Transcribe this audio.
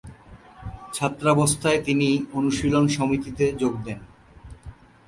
ছাত্রাবস্থায় তিনি অনুশীলন সমিতিতে যোগ দেন।